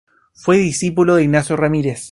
Fue discípulo de Ignacio Ramírez.